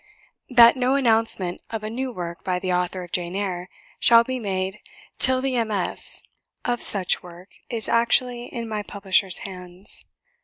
that no announcement of a new work by the author of 'Jane Eyre' shall be made till the MS. of such work is actually in my publisher's hands.